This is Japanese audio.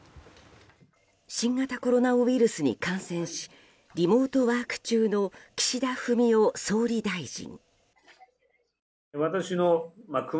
新型コロナウイルスに感染しリモートワーク中の岸田文雄総理大臣。